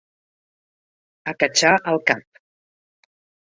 Acatxar el cap.